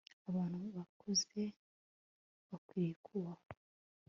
Abantu bakuze bakwiriye kubahwa